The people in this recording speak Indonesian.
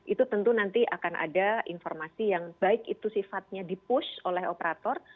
itu tentu nanti akan ada informasi yang baik itu sifatnya di push oleh operator